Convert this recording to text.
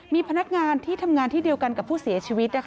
มีพนักงานที่ทำงานที่เดียวกันกับผู้เสียชีวิต